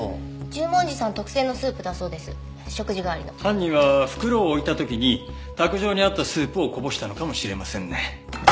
犯人は袋を置いた時に卓上にあったスープをこぼしたのかもしれませんね。